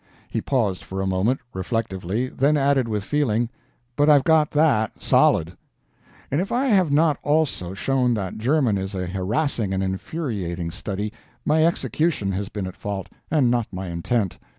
He paused for a moment, reflectively; then added with feeling: "But I've got that SOLID!" And if I have not also shown that German is a harassing and infuriating study, my execution has been at fault, and not my intent.